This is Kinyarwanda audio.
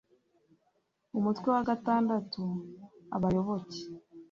umutwe wa gatandatu abayoboke